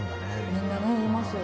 「みんなね言いますよね」